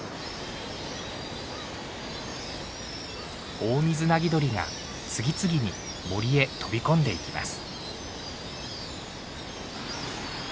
オオミズナギドリが次々に森へ飛び込んでいきます。